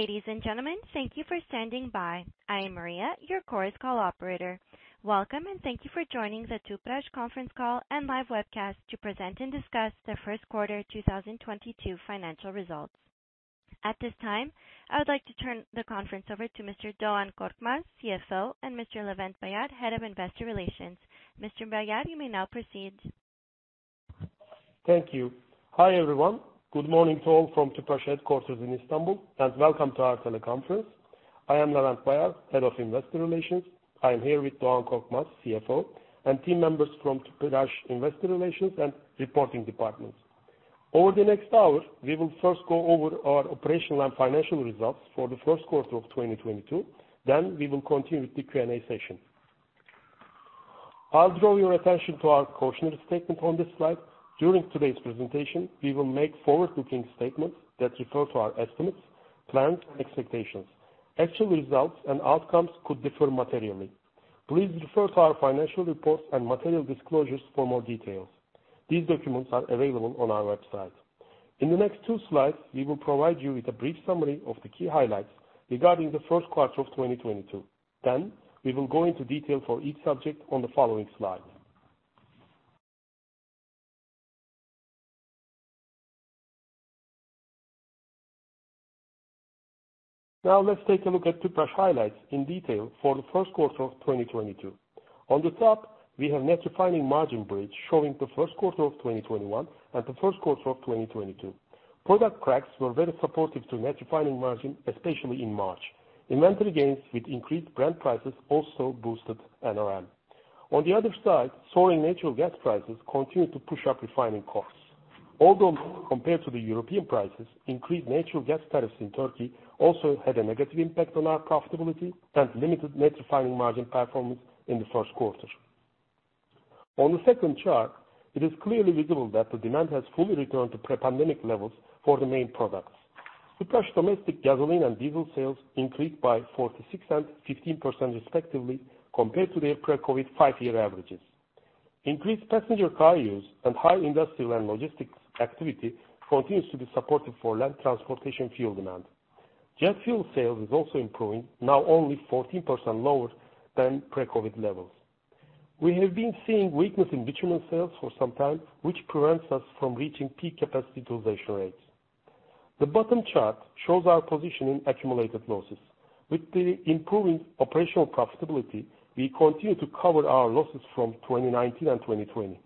Ladies and gentlemen, thank you for standing by. I am Maria, your Chorus Call operator. Welcome and thank you for joining the Tüpraş Conference Call and Live Webcast to present and discuss the first quarter 2022 financial results. At this time, I would like to turn the conference over to Mr. Doğan Korkmaz, CFO, and Mr. Levent Bayar, Head of Investor Relations. Mr. Bayar, you may now proceed. Thank you. Hi, everyone. Good morning to all from Tüpraş headquarters in Istanbul, and welcome to our teleconference. I am Levent Bayar, Head of Investor Relations. I'm here with Doğan Korkmaz, CFO, and team members from Tüpraş Investor Relations and Reporting departments. Over the next hour, we will first go over our operational and financial results for the first quarter of 2022. Then we will continue with the Q&A session. I'll draw your attention to our cautionary statement on this slide. During today's presentation, we will make forward-looking statements that refer to our estimates, plans, and expectations. Actual results and outcomes could differ materially. Please refer to our financial reports and material disclosures for more details. These documents are available on our website. In the next two slides, we will provide you with a brief summary of the key highlights regarding the first quarter of 2022. We will go into detail for each subject on the following slides. Now let's take a look at Tüpraş highlights in detail for the first quarter of 2022. On the top, we have net refining margin bridge showing the first quarter of 2021 and the first quarter of 2022. Product cracks were very supportive to net refining margin, especially in March. Inventory gains with increased Brent prices also boosted NRM. On the other side, soaring natural gas prices continued to push up refining costs. Although compared to the European prices, increased natural gas tariffs in Turkey also had a negative impact on our profitability and limited net refining margin performance in the first quarter. On the second chart, it is clearly visible that the demand has fully returned to pre-pandemic levels for the main products. Tüpraş domestic gasoline and diesel sales increased by 46% and 15%, respectively, compared to their pre-COVID five-year averages. Increased passenger car use and high industrial and logistics activity continues to be supportive for land transportation fuel demand. Jet fuel sales is also improving, now only 14% lower than pre-COVID levels. We have been seeing weakness in bitumen sales for some time, which prevents us from reaching peak capacity utilization rates. The bottom chart shows our position in accumulated losses. With the improving operational profitability, we continue to cover our losses from 2019 and 2020.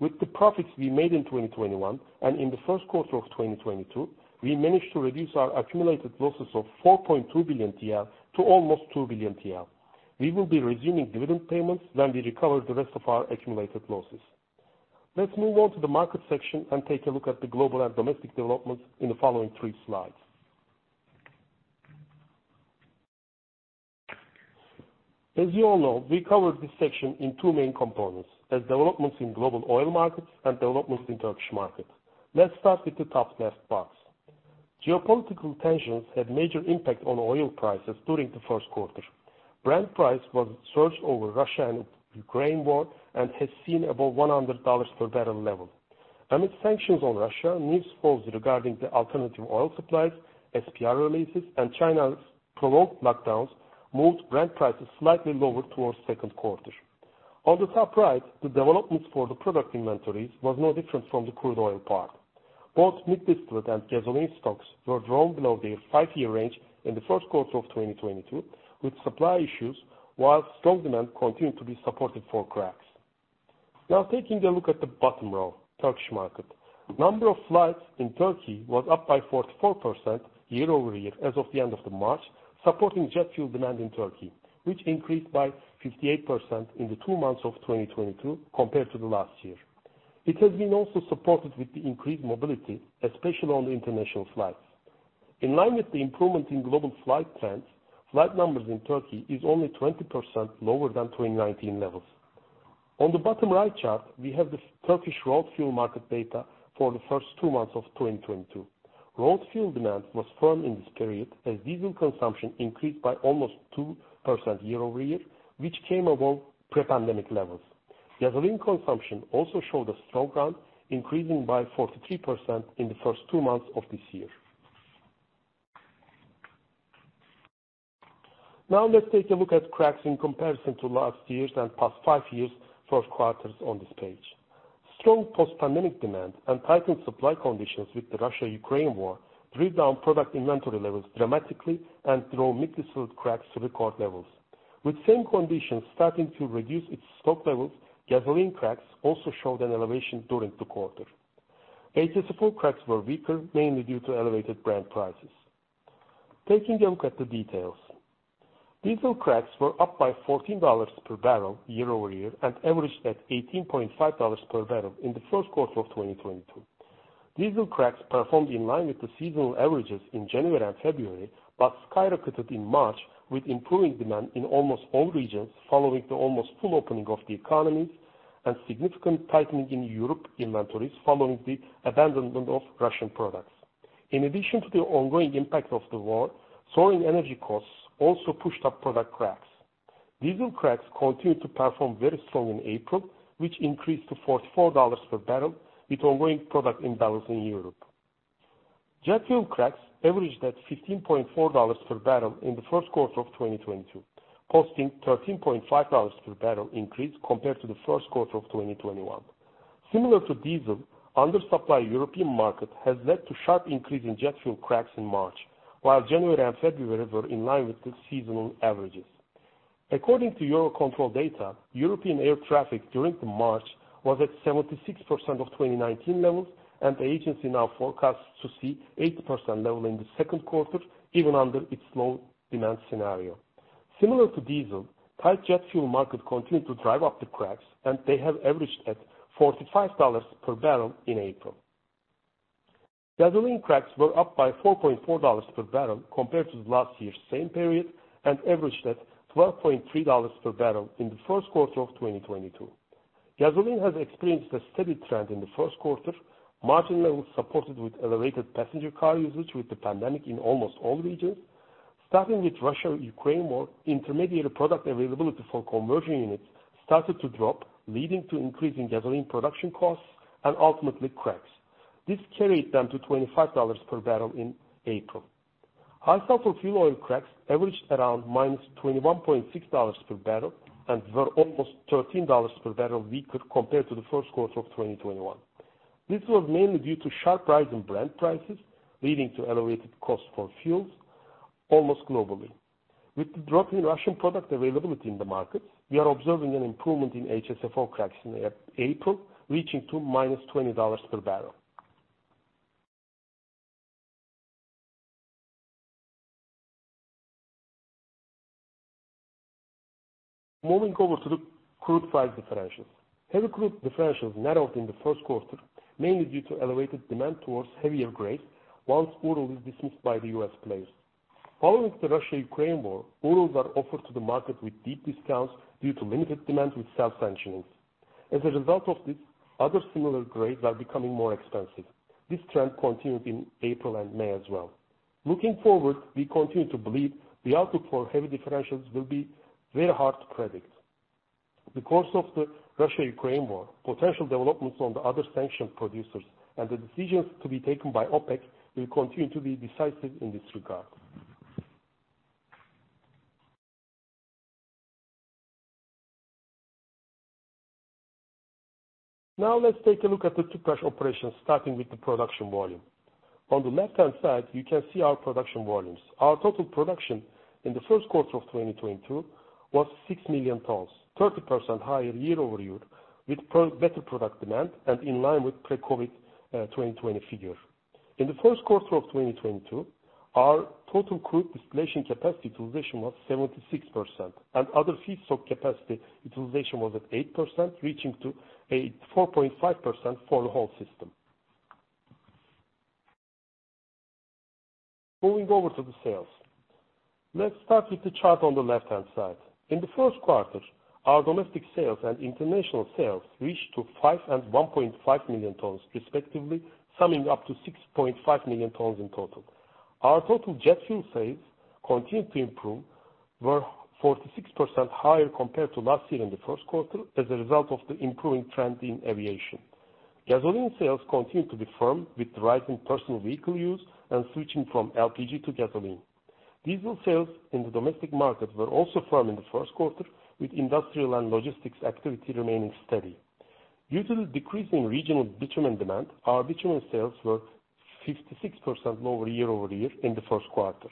With the profits we made in 2021 and in the first quarter of 2022, we managed to reduce our accumulated losses of 4.2 billion TL to almost 2 billion TL. We will be resuming dividend payments when we recover the rest of our accumulated losses. Let's move on to the market section and take a look at the global and domestic developments in the following three slides. As you all know, we covered this section in two main components, as developments in global oil markets and developments in Turkish market. Let's start with the top left box. Geopolitical tensions had major impact on oil prices during the first quarter. Brent price surged over Russia and Ukraine war and has seen above $100 per barrel level. Amid sanctions on Russia, news flows regarding the alternative oil suppliers, SPR releases, and China's prolonged lockdowns moved Brent prices slightly lower towards second quarter. On the top right, the developments for the product inventories was no different from the crude oil part. Both mid-distillate and gasoline stocks were drawn below their five-year range in the first quarter of 2022, with supply issues while strong demand continued to be supported for cracks. Now taking a look at the bottom row, Turkish market. Number of flights in Turkey was up by 44% year-over-year as of the end of March, supporting jet fuel demand in Turkey, which increased by 58% in the two months of 2022 compared to the last year. It has been also supported with the increased mobility, especially on the international flights. In line with the improvement in global flight trends, flight numbers in Turkey is only 20% lower than 2019 levels. On the bottom right chart, we have the Turkish road fuel market data for the first two months of 2022. Road fuel demand was firm in this period as diesel consumption increased by almost 2% year-over-year, which came above pre-pandemic levels. Gasoline consumption also showed a slowdown, increasing by 43% in the first two months of this year. Now let's take a look at cracks in comparison to last year's and past five years' first quarters on this page. Strong post-pandemic demand and tightened supply conditions with the Russia-Ukraine war drove down product inventory levels dramatically and drove middle distillate cracks to record levels. With same conditions starting to reduce its stock levels, gasoline cracks also showed an elevation during the quarter. ATC full cracks were weaker, mainly due to elevated Brent prices. Taking a look at the details. Diesel cracks were up by $14 per barrel year-over-year and averaged at $18.5 per barrel in the first quarter of 2022. Diesel cracks performed in line with the seasonal averages in January and February, but skyrocketed in March with improving demand in almost all regions following the almost full opening of the economies and significant tightening in Europe inventories following the abandonment of Russian products. In addition to the ongoing impact of the war, soaring energy costs also pushed up product cracks. Diesel cracks continued to perform very strong in April, which increased to $44 per barrel with ongoing product imbalance in Europe. Jet fuel cracks averaged at $15.4 per barrel in the first quarter of 2022, posting $13.5 per barrel increase compared to the first quarter of 2021. Similar to diesel, undersupply in European market has led to sharp increase in jet fuel cracks in March, while January and February were in line with the seasonal averages. According to EUROCONTROL data, European air traffic during March was at 76% of 2019 levels, and the agency now forecasts to see 80% level in the second quarter, even under its slow demand scenario. Similar to diesel, tight jet fuel market continued to drive up the cracks, and they have averaged at $45 per barrel in April. Gasoline cracks were up by $4.4 per barrel compared to last year's same period, and averaged at $12.3 per barrel in the first quarter of 2022. Gasoline has experienced a steady trend in the first quarter. Margin levels supported with elevated passenger car usage with the pandemic in almost all regions. Starting with Russia, Ukraine war, intermediate product availability for conversion units started to drop, leading to increase in gasoline production costs and ultimately cracks. This carried them to $25 per barrel in April. High sulfur fuel oil cracks averaged around -$21.6 per barrel and were almost $13 per barrel weaker compared to the first quarter of 2021. This was mainly due to sharp rise in Brent prices, leading to elevated costs for fuels almost globally. With the drop in Russian product availability in the markets, we are observing an improvement in HSFO cracks in April, reaching to -$20 per barrel. Moving over to the crude price differentials. Heavy crude differentials narrowed in the first quarter, mainly due to elevated demand towards heavier grades once Urals is dismissed by the U.S. players. Following the Russia-Ukraine war, Urals are offered to the market with deep discounts due to limited demand with self-sanctioning. As a result of this, other similar grades are becoming more expensive. This trend continued in April and May as well. Looking forward, we continue to believe the outlook for heavy crude differentials will be very hard to predict. The course of the Russia-Ukraine war, potential developments on the other sanctioned producers, and the decisions to be taken by OPEC will continue to be decisive in this regard. Now let's take a look at the Tüpraş operations, starting with the production volume. On the left-hand side, you can see our production volumes. Our total production in the first quarter of 2022 was 6 million tons, 30% higher year-over-year, with better product demand and in line with pre-COVID 2020 figure. In the first quarter of 2022, our total crude distillation capacity utilization was 76%, and other feedstock capacity utilization was at 8%, reaching to 84.5% for the whole system. Moving over to the sales. Let's start with the chart on the left-hand side. In the first quarter, our domestic sales and international sales reached to 5 million tons and 1.5 million tons respectively, summing up to 6.5 million tons in total. Our total jet fuel sales continued to improve, were 46% higher compared to last year in the first quarter as a result of the improving trend in aviation. Gasoline sales continued to be firm with the rise in personal vehicle use and switching from LPG to gasoline. Diesel sales in the domestic market were also firm in the first quarter, with industrial and logistics activity remaining steady. Due to the decrease in regional bitumen demand, our bitumen sales were 56% lower year-over-year in the first quarter.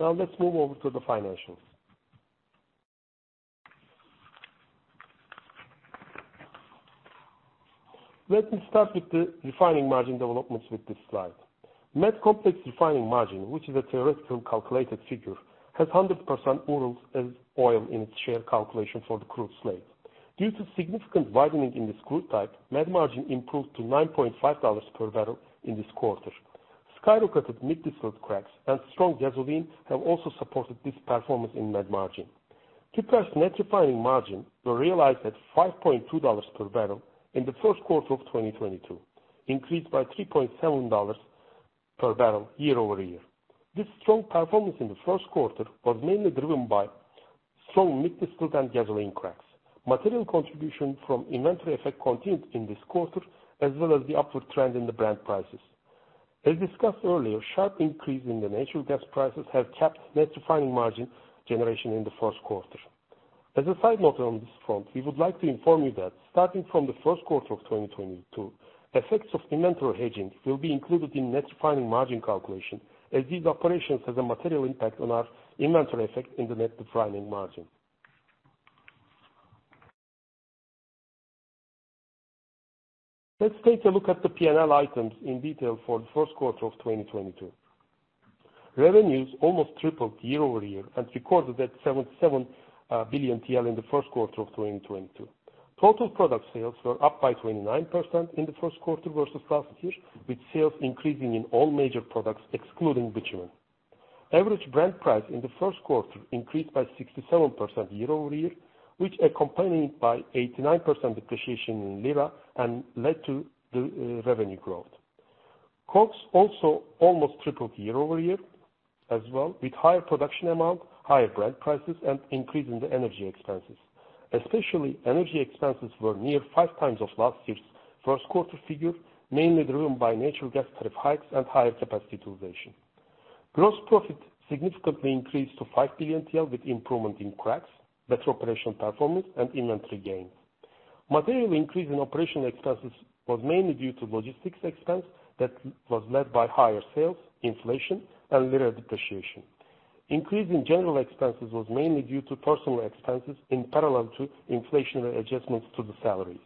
Now let's move over to the financials. Let me start with the refining margin developments with this slide. MED complex refining margin, which is a theoretical calculated figure, has 100% Urals crude oil in its share calculation for the crude slate. Due to significant widening in this crude type, MED margin improved to $9.5 per barrel in this quarter. Skyrocketed middle distillate cracks and strong gasoline have also supported this performance in MED margin. Tüpraş net refining margin were realized at $5.2 per barrel in the first quarter of 2022, increased by $3.7 per barrel year-over-year. This strong performance in the first quarter was mainly driven by strong middle distillate and gasoline cracks. Material contribution from inventory effect continued in this quarter, as well as the upward trend in the Brent prices. As discussed earlier, sharp increase in the natural gas prices have capped net refining margin generation in the first quarter. As a side note on this front, we would like to inform you that starting from the first quarter of 2022, effects of inventory hedging will be included in net refining margin calculation, as these operations has a material impact on our inventory effect in the net refining margin. Let's take a look at the P&L items in detail for the first quarter of 2022. Revenues almost tripled year-over-year and recorded at 77 billion TL in the first quarter of 2022. Total product sales were up by 29% in the first quarter versus last year, with sales increasing in all major products excluding bitumen. Average Brent price in the first quarter increased by 67% year-over-year, which accompanied by 89% depreciation in lira and led to the revenue growth. Costs also almost tripled year-over-year as well with higher production amount, higher Brent prices, and increase in the energy expenses. Especially energy expenses were near 5x of last year's first quarter figure, mainly driven by natural gas tariff hikes and higher capacity utilization. Gross profit significantly increased to 5 billion TL with improvement in cracks, better operational performance, and inventory gains. Material increase in operational expenses was mainly due to logistics expense that was led by higher sales, inflation, and lira depreciation. Increase in general expenses was mainly due to personal expenses in parallel to inflationary adjustments to the salaries.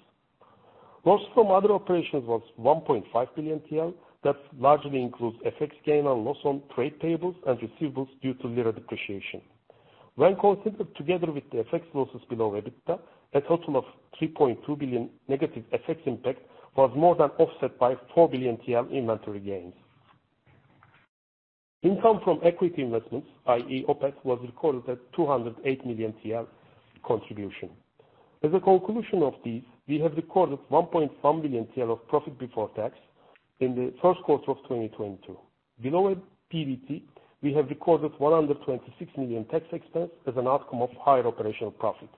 Loss from other operations was 1.5 billion TL. That largely includes FX gain and loss on trade payables and receivables due to lira depreciation. When considered together with the FX losses below EBITDA, a total of 3.2 billion negative FX impact was more than offset by 4 billion TL inventory gains. Income from equity investments, i.e., OPET, was recorded at 208 million TL contribution. As a conclusion of this, we have recorded 1.1 billion TL of profit before tax in the first quarter of 2022. Below PBT, we have recorded 126 million tax expense as an outcome of higher operational profit,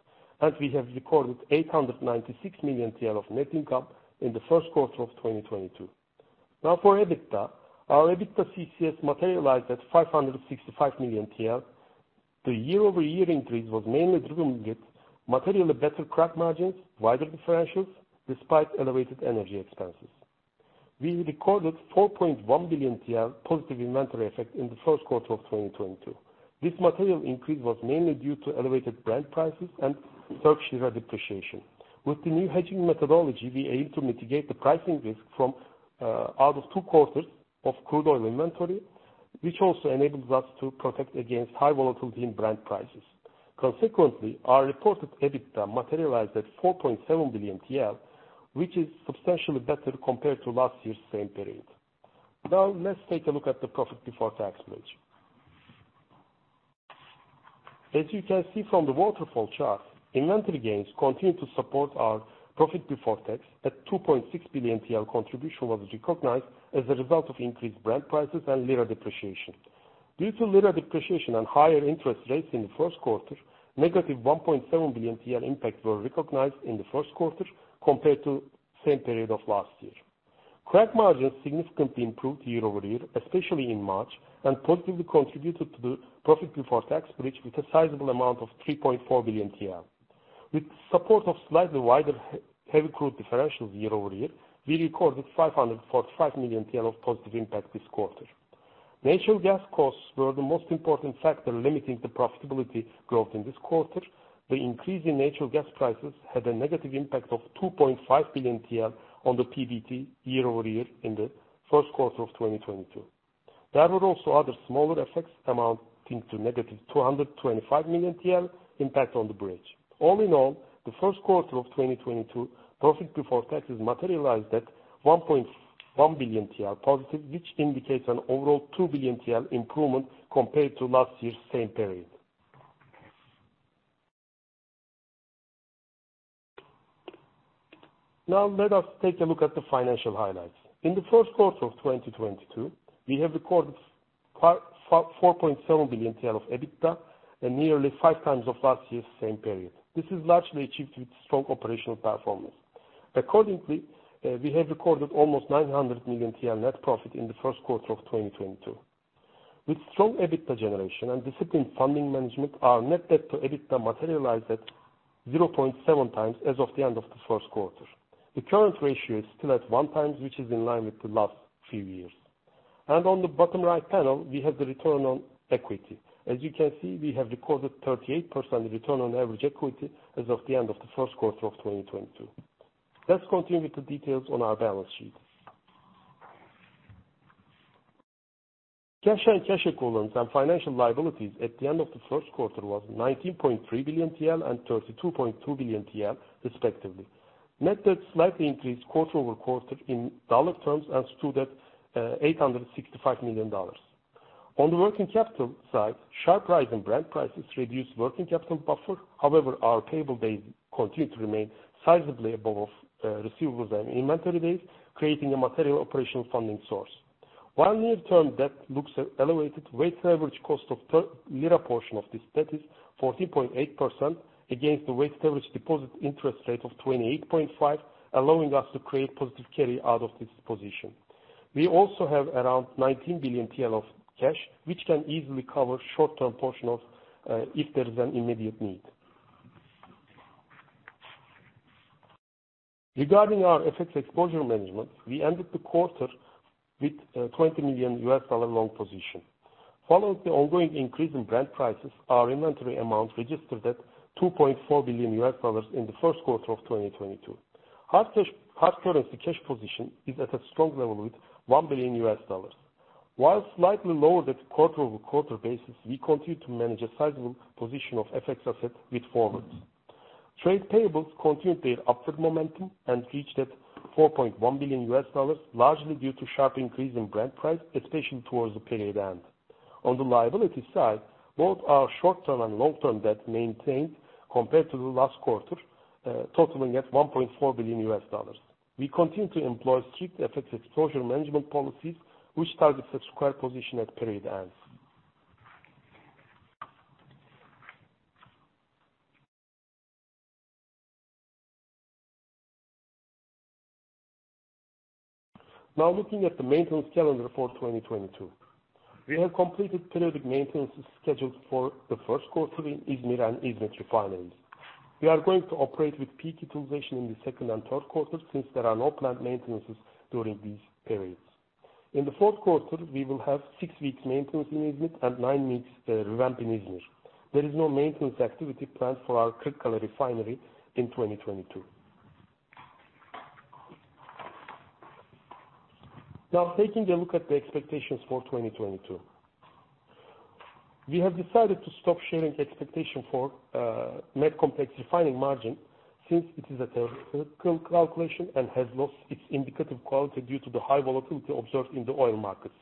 and we have recorded 896 million TL of net income in the first quarter of 2022. Now for EBITDA. Our EBITDA CCS materialized at 565 million TL. The year-over-year increase was mainly driven with materially better crack margins, wider differentials despite elevated energy expenses. We recorded 4.1 billion TL positive inventory effect in the first quarter of 2022. This material increase was mainly due to elevated Brent prices and Turkish lira depreciation. With the new hedging methodology, we aim to mitigate the pricing risk from out of two quarters of crude oil inventory, which also enables us to protect against high volatility in Brent prices. Consequently, our reported EBITDA materialized at 4.7 billion TL, which is substantially better compared to last year's same period. Now let's take a look at the profit before tax bridge. As you can see from the waterfall chart, inventory gains continue to support our profit before tax at 2.6 billion TL. Contribution was recognized as a result of increased Brent prices and lira depreciation. Due to lira depreciation and higher interest rates in the first quarter, negative 1.7 billion TL impact were recognized in the first quarter compared to same period of last year. Crack margins significantly improved year-over-year, especially in March, and positively contributed to the profit before tax bridge with a sizable amount of 3.4 billion TL. With support of slightly wider heavy crude differentials year-over-year, we recorded 545 million TL of positive impact this quarter. Natural gas costs were the most important factor limiting the profitability growth in this quarter. The increase in natural gas prices had a negative impact of 2.5 billion TL on the PBT year-over-year in the first quarter of 2022. There were also other smaller effects amounting to negative 225 million TL impact on the bridge. All in all, the first quarter of 2022 profit before taxes materialized at 1.1 billion TL positive, which indicates an overall 2 billion TL improvement compared to last year's same period. Now let us take a look at the financial highlights. In the first quarter of 2022, we have recorded 4.7 billion TL of EBITDA and nearly 5x of last year's same period. This is largely achieved with strong operational performance. Accordingly, we have recorded almost 900 million TL net profit in the first quarter of 2022. With strong EBITDA generation and disciplined funding management, our net debt to EBITDA materialized at 0.7x as of the end of the first quarter. The current ratio is still at 1x, which is in line with the last few years. On the bottom right panel, we have the return on equity. As you can see, we have recorded 38% return on average equity as of the end of the first quarter of 2022. Let's continue with the details on our balance sheet. Cash and cash equivalents and financial liabilities at the end of the first quarter was 19.3 billion TL and 32.2 billion TL respectively. Net debt slightly increased quarter-over-quarter in dollar terms and stood at $865 million. On the working capital side, sharp rise in Brent prices reduced working capital buffer. However, our payable base continued to remain sizably above, receivables and inventory base, creating a material operational funding source. While near-term debt looks elevated, weighted average cost of the lira portion of this debt is 14.8% against the weighted average deposit interest rate of 28.5%, allowing us to create positive carry out of this position. We also have around 19 billion TL of cash, which can easily cover short-term portion of, if there is an immediate need. Regarding our FX exposure management, we ended the quarter with a $20 million long position. Following the ongoing increase in Brent prices, our inventory amount registered at $2.4 billion in the first quarter of 2022. Hard cash, hard currency cash position is at a strong level with $1 billion. While slightly lower on a quarter-over-quarter basis, we continue to manage a sizable position of FX asset with forwards. Trade payables continued their upward momentum and reached at $4.1 billion, largely due to sharp increase in Brent price, especially towards the period end. On the liability side, both our short-term and long-term debt maintained compared to the last quarter, totaling at $1.4 billion. We continue to employ strict effective exposure management policies which targets the square position at period ends. Now looking at the maintenance calendar for 2022. We have completed periodic maintenance scheduled for the first quarter in İzmir and İzmit refineries. We are going to operate with peak utilization in the second and third quarters since there are no plant maintenances during these periods. In the fourth quarter, we will have 6 weeks maintenance in İzmit and 9 weeks revamp in İzmir. There is no maintenance activity planned for our Kırıkkale refinery in 2022. Now taking a look at the expectations for 2022. We have decided to stop sharing expectation for MED complex refining margin since it is a theoretical calculation and has lost its indicative quality due to the high volatility observed in the oil markets.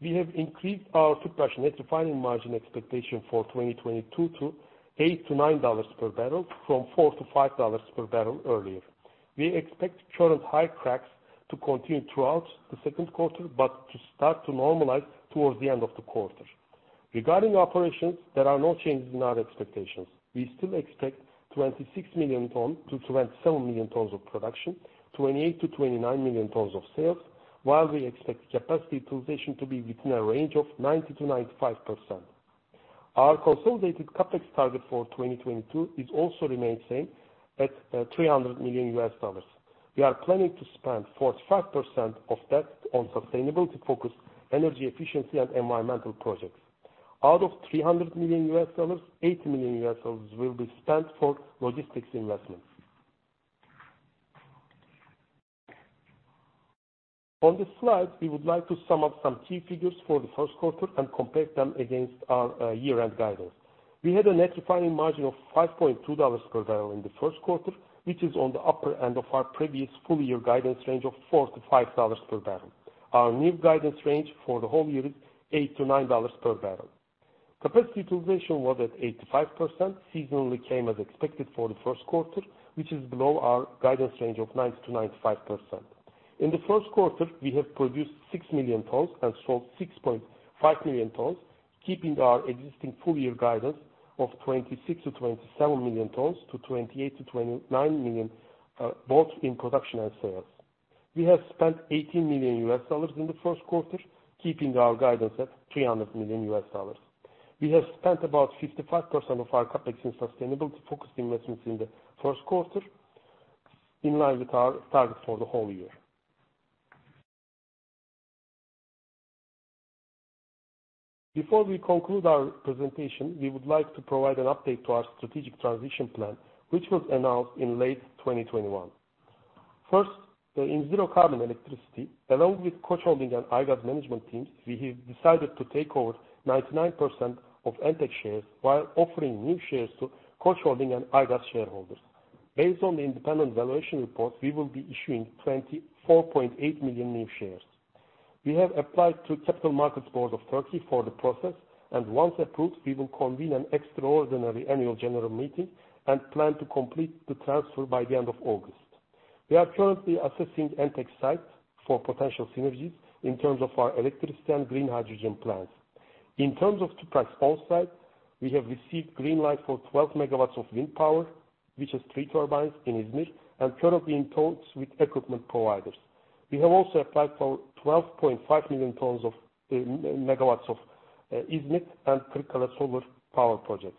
We have increased our standalone net refining margin expectation for 2022 to $8-$9 per barrel, from $4-$5 per barrel earlier. We expect current high cracks to continue throughout the second quarter, but to start to normalize towards the end of the quarter. Regarding operations, there are no changes in our expectations. We still expect 26 million tons-27 million tons of production, 28 million-29 million tons of sales, while we expect capacity utilization to be within a range of 90%-95%. Our consolidated CapEx target for 2022 is also remain same at $300 million. We are planning to spend 45% of that on sustainability-focused energy efficiency and environmental projects. Out of $300 million, $80 million will be spent for logistics investments. On this slide, we would like to sum up some key figures for the first quarter and compare them against our year-end guidance. We had a net refining margin of $5.2 per barrel in the first quarter, which is on the upper end of our previous full year guidance range of $4-$5 per barrel. Our new guidance range for the whole year is $8-$9 per barrel. Capacity utilization was at 85%, seasonally came as expected for the first quarter, which is below our guidance range of 90%-95%. In the first quarter, we have produced 6 million tons and sold 6.5 million tons, keeping our existing full year guidance of 26 million tons-27 million tons to 28 million tons-29 million both in production and sales. We have spent $18 million in the first quarter, keeping our guidance at $300 million. We have spent about 55% of our CapEx in sustainability-focused investments in the first quarter, in line with our target for the whole year. Before we conclude our presentation, we would like to provide an update to our strategic transition plan, which was announced in late 2021. First, in zero carbon electricity, along with Koç Holding and Aygaz management teams, we have decided to take over 99% of Entek shares while offering new shares to Koç Holding and Aygaz shareholders. Based on the independent valuation report, we will be issuing 24.8 million new shares. We have applied to Capital Markets Board of Turkey for the process, and once approved, we will convene an extraordinary annual general meeting and plan to complete the transfer by the end of August. We are currently assessing Entek sites for potential synergies in terms of our electricity and green hydrogen plants. In terms of Tüpraş on-site, we have received green light for 12 MW of wind power, which is 3 turbines in Izmit, and currently in talks with equipment providers. We have also applied for 12.5 MW of İzmit and Kırıkkale solar power projects.